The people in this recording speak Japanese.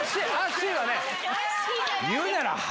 言うなら、は？